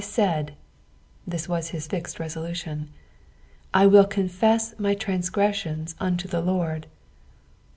taid." Thb was his fixed reaolution. " I iciil confett my ttantgreuioiu unto the Lard."